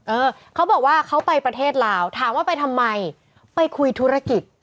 เออเขาบอกว่าเขาไปประเทศลาวถามว่าไปทำไมไปคุยธุรกิจ